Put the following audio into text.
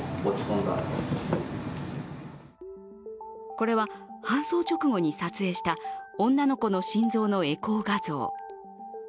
これは、搬送直後に撮影した女の子の心臓のエコー画像。